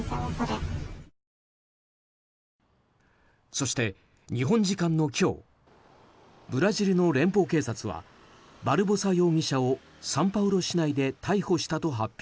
そして、日本時間の今日ブラジルの連邦警察はバルボサ容疑者をサンパウロ市内で逮捕したと発表。